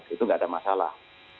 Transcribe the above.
itu tidak ada masalah